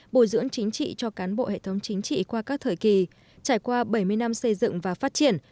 bồi dưỡng chính trị cho cán bộ hệ thống chính trị qua các thời kỳ trải qua bảy mươi năm xây dựng và phát triển